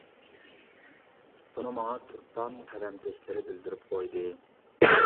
بۇنى ماڭا تۇرپان قەلەمكەشلىرى بىلدۈرۈپ قويدى.